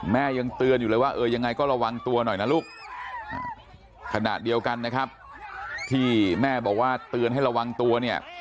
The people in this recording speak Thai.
ยังเตือนอยู่เลยว่าเออยังไงก็ระวังตัวหน่อยนะลูกขณะเดียวกันนะครับที่แม่บอกว่าเตือนให้ระวังตัวเนี่ย